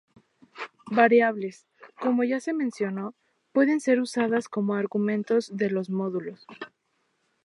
Variables, como ya se mencionó, pueden ser usadas como argumentos de los módulos.